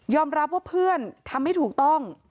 ยอมรับว่าเพื่อนทำไม่ถูกต้อง